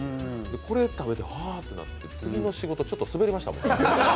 これ食べて、はーってなって、次の仕事ちょっと滑りましたもんね。